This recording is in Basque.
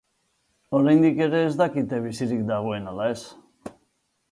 Oraindik ere ez dakite bizirik dagoen ala ez.